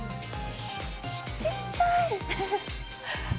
ちっちゃーい。